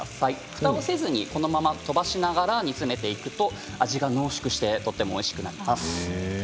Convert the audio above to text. ふたをせずにこのまま飛ばしながら煮詰めていくと味が濃縮してとてもおいしくなります。